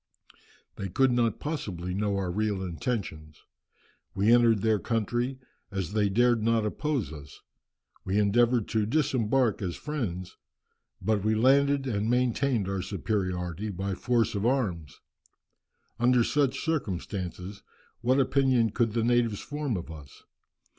They could not possibly know our real intentions. We entered their country, as they dared not oppose us; we endeavoured to disembark as friends, but we landed and maintained our superiority by force of arms. Under such circumstances what opinion could the natives form of us?